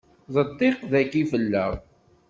D ddiq dayi fell-aɣ.